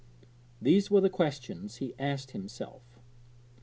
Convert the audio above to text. these were the questions he asked himself.